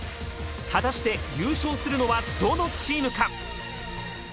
果たして優勝するのはどのチームか？